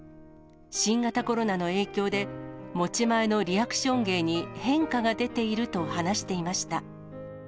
新型コロナの影響で、持ち前のリアクション芸に変化が出ていると話していました。